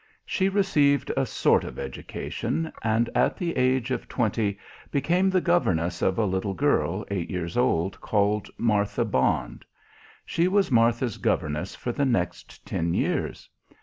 She received a sort of education, and at the age of twenty became the governess of a little girl, eight years old, called Martha Bond. She was Martha's governess for the next ten years.